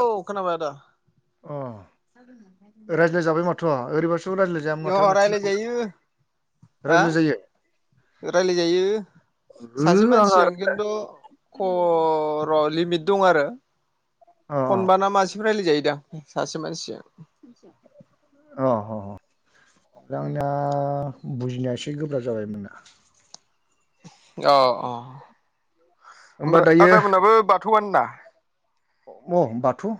औ खोनाबाय आदा । अ रायज्लाय जाबाय माथ' थ' ओरैबास' रायज्लाय जाया अ [unintelligible] थि रायलायजायो रायज्लाय जायो। राय्लाय जायो। सासे आंहा मानसिजों खिन्थु खर' लिमिट दं आरो। अ खनबाना मासे राय्लायजायोदां सासे मानसिजों। अ अ आंना बुजिनाया एसे गोब्राब जाबायमोनना । अ अ होमबा ओमफ्राय दायो आदाम मोनाबो बाथौआनो ना अ बाथौ'।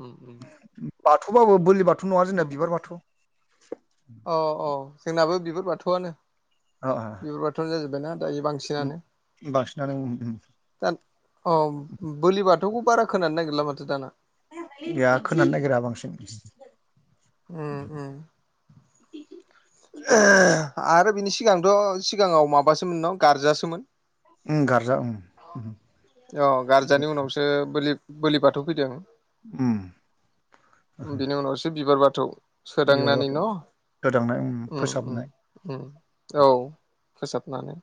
अ बाथौबाबो बोलि बाथौ नङा उम जोंना बिबार बाथौ। अ औ जोंनाबो बिबार बाथौआनो अ अ बिबार बाथौआनो जाजोब्बायना। दायो बांसिनानो बांसिनानो उम उम दा बलि बार बाथौखौ बार खोनानो माथो दाना। गया खोनानो नागिरा बांसिन उ उ आरो बिनि सिगांथ' सिगाङाव माबासोमोन न गारजासोमोन। उ गारजा उ । औ गारजानि उनावसो बोलि बोलि बाथौ फैदों उम बिनि उनावसो बिबार बारि बिबार सोदांनानै बाथौ न' गोदांनाय उम फोसाबनाय औ । फोसाबनानै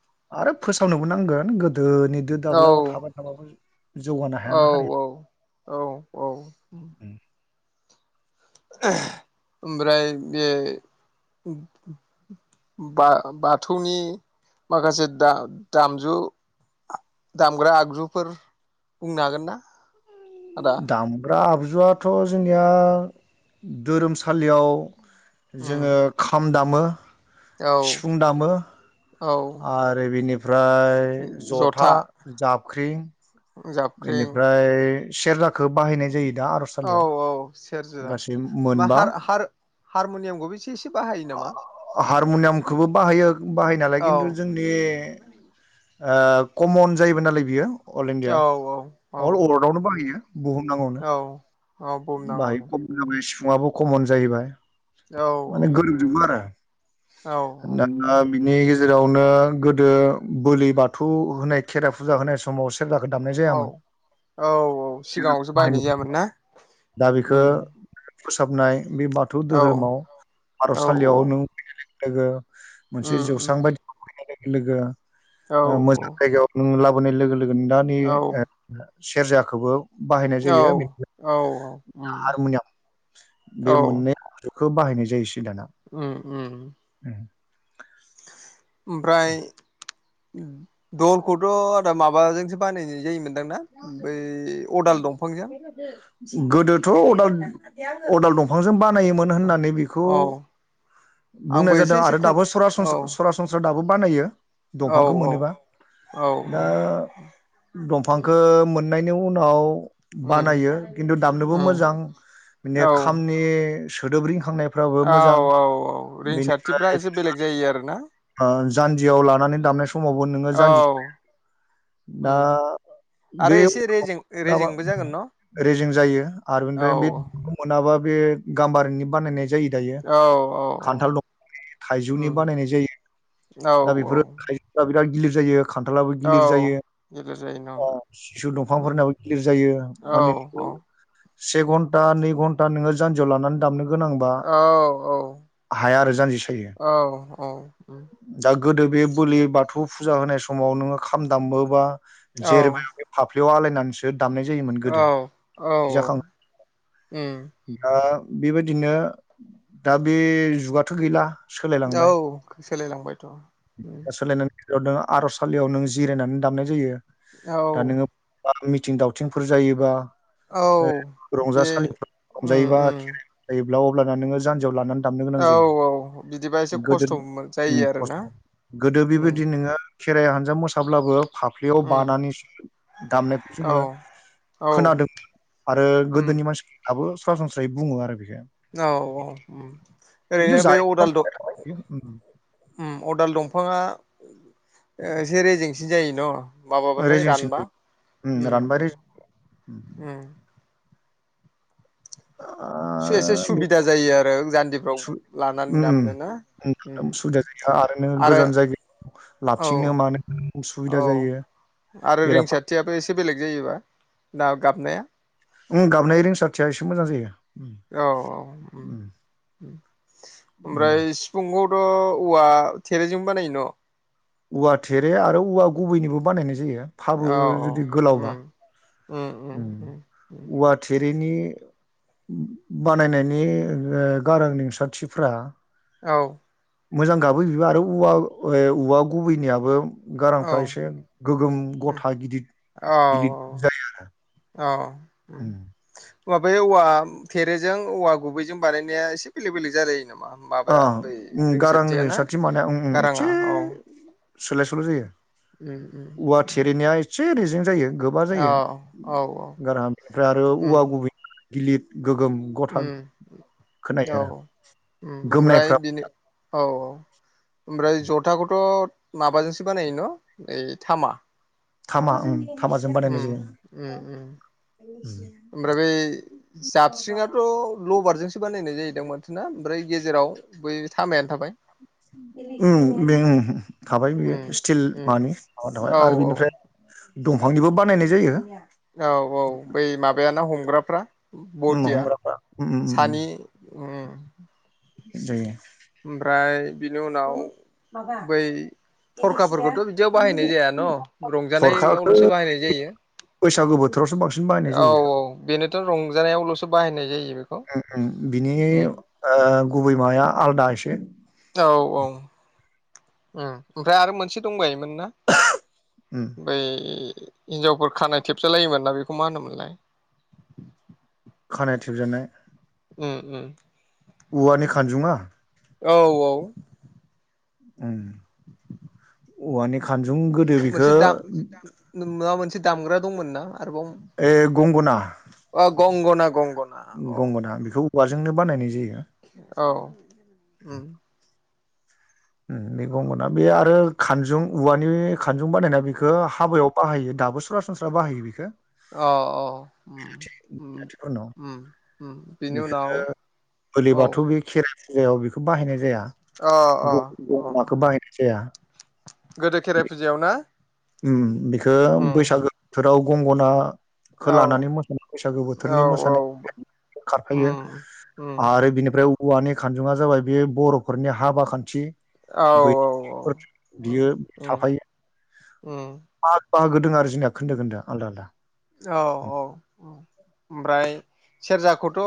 आरो फोसावनोबो नांगोन गोदोनिजों औ दाब्लायाव थाबाय थाबाबो। जौगानो औ हायाना हारिया। औ औ ओमफ्राय बे बा बाथौनि माखासे दाम दामजु दामग्रा आगजुफोर बुंनो हागोन ना? आदा? दामग्रा आगजुआथ' जोंनिया धोरोमसालियाव उम जोङो खाम दामो, औ सिफुं दामो। औ आरो बेनिफ्राय जथा जाबख्रि जाबख्रिं बेनिफ्राय सेरजाखौ बाहायनाय जायो। दा औ आर'जसालियाव औ सेरजा गासै मा मोनबा हार हार हारमु'नियामखौबो एसे एसे बाहायो नामा? हारमुनियामखौबो बाहायो बाहाय नालाय औ खिन्थु जोंनि‌ कमन जायोबो नालाय बियो अल औ इण्डिया औ अल अलवार्लडआवनो उम बाहायो। बुहुम नांगौनो औ औ बाहाय बुहुमनाङावनो खमन जाबाय सिफुङाबो खमन जाहैबाय। औ माने उम गोरोबजोबो आरो औ दा उम बिनि जेरावनो गोदो बोलि बाथौ होनाय खेराइ फुजा होनाय समाव सेरजाखौ दामनाय औ जायामोन। औ औ सिगाङावसो बायनाय जायामोन ना दा बेखो फोसाबनाय बे बाथौ औ दोहोरोमाव औ औ आरजसालियाव [unintelligible] लोगो मोनसे उम उम जौस्रां बायदियाव लाबोनाय लोगो लोगो औ मोजां जायगायाव नों लाबोनाय लोगो । लोगो दानि औ सेरजाखौबो बाहायनाय औ जायो औ उम हारमुनियाम औ बे मोननै खौ बाहायनाय जायोसै दाना। उम उम ओमफ्राय दलखौथ' आदा माबाजोंसो बानायनाय जायोमोन। दों ना बै अदाल दंफांजों। गोदोथ' अदाल अदाल दंफांजों बान नायोमोन औ होननानै बेखौ औ आंबो बुंनाय एसे जादों एसे आरो खोन दाबो औ सासनस्रा दाबो बानायो औ दंफांखौ औ मोनोबा औ औ दा दं। फांखो मोननायनि उनाव उम बानायो खिन्थु दामनोबो उम मोजां माने औ खामनि सोदोब रिं खांनायफ्राबो औ मोजां औ औ रिंसारथिफ्रा बेनिफ्राय एसे बेलेग जायो आरोना जान्जियाव लानानै दामनाय समावबो नोङो औ जान्जि उम बे आरो एसे रेजें रेजेंबो जागोन न' मोने रेजें जायो आरो औ बेनिफ्राय बेखौ मोनाबा माबा बे गामबारिनि बानायनाय जायो दायो औ औ खान्थाल दं थाइजौनि उम बानायनाय जायो। औ दा औ बेफोरो खायसेफ्रा बिराद गिलिर जायो खान्थालबो औ गिलिर जायो। गिलिर जायो न' सिसु उम दंफांफोरनाबो गिलिर जायो औ माने औ औइ से घन्टा नै घन्टा नोङो जान्जियाव लानानै दामनो गोनांबा औ औ हाया आरो जानजि सायो। औ औ उम दा गोदो बे बोलि बाथौ फुजा होनाय समाव नोङो खाम दामोबा औ जेरबाय एबा फाफ फ्लियाव आलायनानैसो दामनाय जायोमोन औ गोदो औ जाखां उम दा बेबायदिनो दा बे जुगाथ' गैला। औ सोलायलांबाय सोलायलांबायथ' ओ नों आर'सालियाव नों जिरायनानै दामनाय जायो। औ बा मिथिं दावथिंफोर जायोबा औ बे रंजासालिफोर उम रंजायोबा उम खेरायोब्ला अब्लाना नोङो जानजियाव लानानै। दामनो औ गोनां औ बिदिबा एसे जायो गोदोनि खस्थ' उम जायो आरोना खस्थ' गोदो बेबायदि उम नोङो खेराइ हानजा मोसाब्लाबो खाफ्लियाव उम बानानैसो दामनायखौ जोङो औ औ खोनादों आरो उम गोदोनि मानसिफोर दाबो सरासनस्रायै बुङो आरो बे औ औ उम खिन्थु ओरैनो बे जारिमिनाव अदाल थाबाय दं बेयो उम उम अदाल दंफाङा एसे रेजेंसिन जायो न'? माबाबाथाय रेजेंसिन रानबा उम रानबाय रेजें उम उम ओ से एसे बे सुबिदा जायो आरो जान्जि सु उम उम [unintelligible] उम सुबिदा जायो आरो नों गोजान जायगायाव। औ लाबथिंनो मानो औ उसुबिदा जायो। आरो बेरा रिंसथियाबो एसे बेलेग जायोबा ना गाबनाया? उम गाबनाय रिंसारथिया एसे मोजां जायो। उम औ औ उम उम मोजां ओमफ्राय सिफुंखौ। खो औवा थेरेजों बानायो न'। औवा थेरे आरो औवा गुबैनिबो बानायनाय जायो फाबो औ औ जुदि उम गोलावबा। उम औवा थेरिनि। उम बानायनायनि ओ गारां रिंसारथिफ्रा। औ। मोजां गाबो बिबो आरो औवा ओ औवा गुबैनियाबो। औ गारांफ्रा एसे गोगोम उम गथा गिदिर औ गिदिर जायो आरो। उम माबायाव औवा थेरोजों औवा गुबैजों बानायनाया एसे बेलेग बेलेग जालायो नामा। अ माबाया बै ओम गारां रिंसारथिया ना रिंसारथि माने ओम ओम गाराङा इसे औ सोलाय सोल' जायो। उम औवा उम थेरेनाया एसे रेजों जायो गोबा औ जायो औ औ गारहाम बेनिफ्राय आरो उम औवा गुबै। गिलिर गोगोम गथा उम औ। खोनायो आरो ओम ओमफ्राय गोमनायफ्रा दिनो औ औ ओमफ्राय जथाखौथ'। माबाजोंसो बानायानयो न' ओइ थामा। थामा उम। उम उम उम। ओमफ्राय बै जाबस्रिङाथ' लबारजोंसो। बानायनाय जायोदों मानथोना ओमफ्राय गेजेराव बै थामाया। उम बे उम। उम उम थाबाय औ आरो औ। बेनिफ्राय दंफांनिबो बानायनाय जायो औ औ बै माबायाना हमग्राफ्रा। ओम बरदिया हमग्राफ्रा ओम ओम ओम सानि ओम। जायो ओमफ्राय बिनि उनाव बै। थरखाफोरखौथ' बिदियाव बाहायनाय जाया न' थरखाखौ रंजानायावल'सो बाहायनाय जायो। बैसागु बोथोरावसो बांसिन बाहायनाय औ जायो बेखौ औ बेनोथ' रंजानायावल'सो बाहायनाय जायो। बेखौ उम उम बिनि उम ओ गुबै माबाया आलादा एसे। औ औ ओम ओमफ्राय आरो मोनसे दंबायोमोन। ना ओम बै हिनजावफोर खानाय थेबसालायोमोन ना बे। खौ मा होनो मोनलाय। खानाय थेबजेनन्नाय। ओम ओम। औवानि खानजुङा। औ औ। उम। औवानि खानजुं गोदो बिखो। से दामग्रा दंमोन ना। आरोबाव ए गंगोना। अ गंगना गं। गंगोनना बेखौ औवाजोंनो बानायनाय जायो। औ उम ओम बे गंगोना बे आरो खानजुं औवानि खानजुं बानायना बेखौ हाबायाव। बाहायो दाबो सरासनस्रा बाहायो बिखो। अ अ उम उम उम। बिनि उनाव बिखोनो औ बोलिबाथ' बे खेराइ फुजायाव बेखौ बाहायनाय जाया। अ अ ग अ गंगोनाखो बाहायनाय जाया। गोदो खेराइ फुजायाव ना ओम बेखौ उम बैसागो बोथोराव गंगना। खो औ लानानै मोसानाय बैसागो औ बोथोरनि औ मोसानाय। खारफायो उम उम आरो बिनिफ्राय औवानि खानजुङा जाबाय बे बर'फोरनि हाबा खान्थि। औ बै औ औ उम बियो उम थाफायो। उम बाहोदों आरो जोंनिया खोन्दो खोन्दो आलदा आलदा। औ औ उम ओमफ्राय सेरजा खौथ'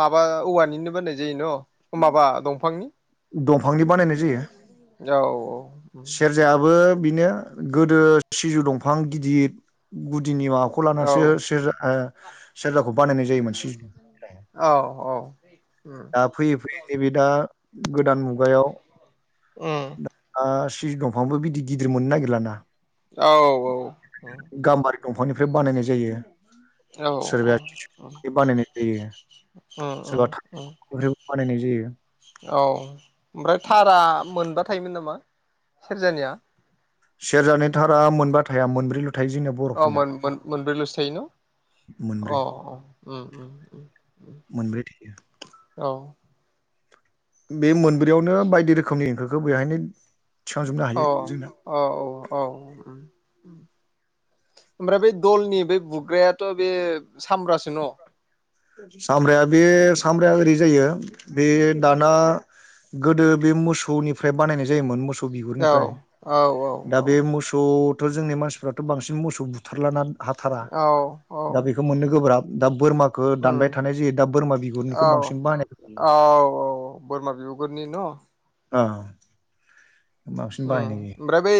माबा औवानिनो बानाय जायो न' अ माबा दंफांनि। दंफांनि बानायनाय जायो औ औ सेरजायाबो बिनो गोदो सिजौ दंफां गिदिर बुद दिननि माबाखौ औ लानानैसो सेरजा सेरजाखौ बानायनाय जायोमोन सि औ औ औ उम दा फैयै फैयै नैबे दा गोदान मुगायाव उम दा सिजौ दंफांबो बिदि गिदिर मोननो नागिरला ना। औ औ गाम्बारि दंफांनिफ्राय बानायनाय जायो। औ औ सोरबाया उम सिसुनिफ्राय बानायनाय जायो अ अ सोरबा ओ थाइनिफ्रायबो बानायनाय जायो। औ ओमफ्राय थारा मोनबा थायोमोन नामा सेरजानिया। सेरजानि थारा मोनबा थाया मोनब्रैल थायो जोंना अ बर'फोरना मोन-मोन-मोनब्रैल'सो थायो न' अ औ मोनब्रै उम उम मोनब्रै थायो औ बे मोनब्रैयावनो बायदि रोखोमनि ओंख्रिखो बेहायनो थिखांजोबनो औ हायो जोंना औ औ उम ओमफ्राय बै दलनि बै बुग्रायाथ' बे सामब्रासो न' सामब्राया बे सामब्राया ओरै जायो बे दाना गोदो बे मोसौनिफ्राय बानायनाय जायोमोन मोसौ सौ औ बिगुरनिफ्राय औ दा बे औ मोसौथ' जोंनि मानसिफ्राथ' बांसिन मोसौ बुथारलाना। हाथारा औ औ दा बेखौ मोननो गोब्राब दा बोरमा उम दानबाय थानाय जायो दा बिगुरनिखौ औ औ बांसिन बाहायनाय जायो। औ औ बोरमा बिगुरनि न' [unintelligible] औ उम ओमफ्राय बै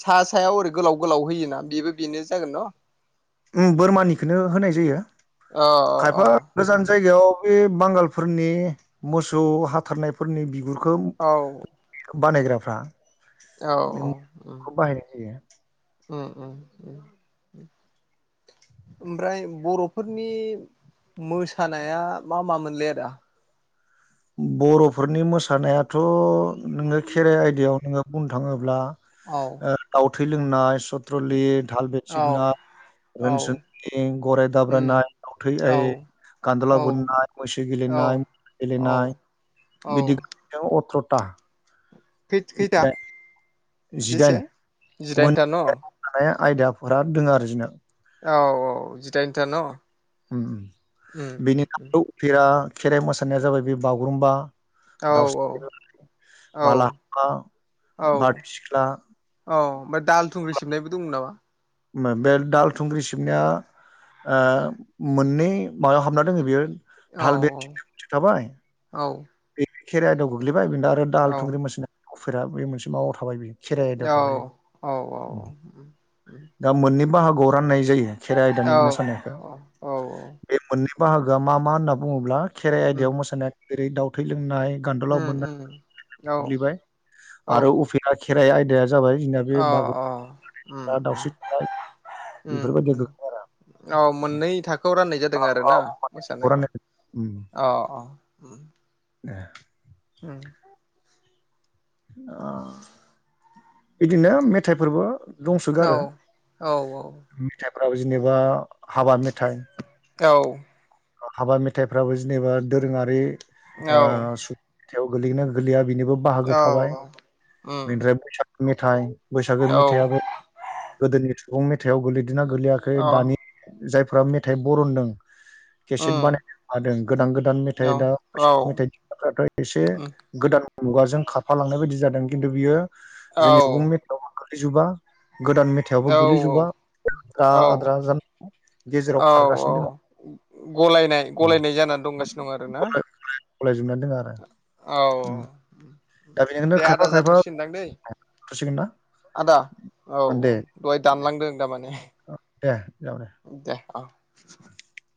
सा सायाव ओरै गोलाव गोलाव होयोना बेबो बेनो जागोन न'? उम बोरमानिखोनो होनाय जायो अ अ खायफा उम गोजान जायगायाव। बे बांगालफोरनि मोसौ हाथारनायफोरनि बिगुर औ बानायग्राफ्रा औ बे उम खौ बाहायनाय जायो। उम उम उम ओमफ्राय बर'फोरनि मोसानाया मा मा मोनलै आदा बर'फोरनि मोसानायाथ' नोङो खेराइ आयदायाव नोङो बुंनो थाङोब्ला औ थै लोंनाय सथ्रलि धाल औ बेसिबनाय औ रोनसोनद्रि गराय दाब्रायनाय दाव थै औ आइ कान्दला औ बुननाय मैसे मैसो औ गेलेनाय औ नाय औ बिदि अथ्र'था। खै-खैथा जिदाइन बेसे जिदाइनथा न'। बे आयदाफोरा दों आरो जिना औ औ जिदाइनथा न'। ओम उम उम बेनि उम नाम' उफेरा खेराइ मोसानाया जाबाय बे बागुरुम्बा। औ औ दाउस्रि देलाय औ बालाहामा औ बारदै सिख्ला औ ओमफ्राय दाल थुंग्रि सिबनायबो दंमोन नामा [unintelligible] ओ मोननै माबायाव हाबना दङो बियो औ दाहाल [unintelligible] थाबाय औ बे खेराइ आयदायाव गोग्लैबाय बेनिफ्राय आरो दाहाल औ थुंग्रि [unintelligible] बे मोनसे माबायाव थाबाय बेयो । औ औ औ । नै बाहागोआव राननाय जायो खेराइ आयदानि मोसानायखौ औ औ बे मोननै बाहागोआ मा मा होन्ना बुङोब्ला खेराइ उम आयदायाव मोसानाय जेरै दाावथै लोंनाय उम उम। औ गलिबाय औ आरो उफेया खेराइ आयदाया जाबाय जोंना बे अ अ उम बागुरुमबा दावस्रि देलाय उम बेफोरबायदि उम। गोग्लैयो औ मोननै थाखोआव राननाय जादों आरोना मोसानायखौ आरो। औ औ [unintelligible] दे ओ बिदिनो मेथाइफोरबो औ दंसोगारो औ मेथाइ फोराबो जेनेबा हाबा मेथाइ औ हाबा मेथाइफ्राबो जेनेबा दोरोङारि औ । मेथाइयाव गोलैनो गोलैया बिनिबो बाहागो थाबाय उम बेनिफ्राय बैसागु मेथाइ बैसागो औ मेथाइयाबो गोदोनि सुबुं मेथाइआव गोलै दोना गोलैयाखै अ दानि जायफोरा मेथाइ बरनदों केसेट उम बानायनो हादों गोदान गोदान औ मेथाइ दा मेथाइनि बाथ्राफ्राथ' एसे उम गोदान मुगाजों खारफालांनाय बायदि जादों खिन्थु बियो औ जोंनि सुबुं मेथाइयाव गोग्लैजोबा । गोदान मेथाइआवबो गोलैजोबा आद्रा औ आद्रा जानो गेजेराव औ खारगासिनो गलायनाय गलायनाय जानानै दंगासिनो दं आरोना दङ [unintelligible] गलायजोबनानै दङ आरो । औ दे बेनिखायनो खायफा आदा खायफा जाथ'सिनदां दै थसिगोन ना । आदा औ औ दहाय दानलांदों थारमाने औ दे जाबाय दे । [unintelligible]